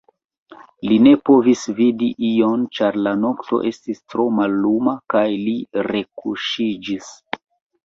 Li ne povis vidi ion, ĉar la nokto estis tro malluma, kaj li rekuŝiĝis.